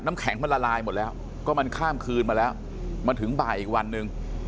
แข็งมันละลายหมดแล้วก็มันข้ามคืนมาแล้วมาถึงบ่ายอีกวันหนึ่ง